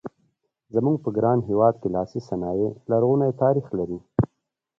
زموږ په ګران هېواد کې لاسي صنایع لرغونی تاریخ لري.